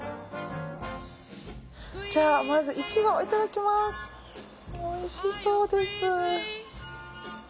じゃあまずイチゴいただきますおいしそうです。